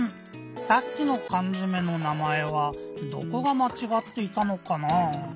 さっきのかんづめの名まえはどこがまちがっていたのかな？